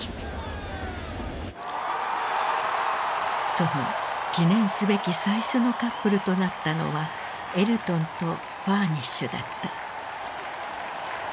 その記念すべき最初のカップルとなったのはエルトンとファーニッシュだった。